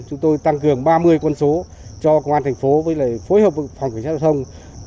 chúng tôi tăng cường ba mươi quân số cho công an thành phố với lại phối hợp phòng kiểm soát giao thông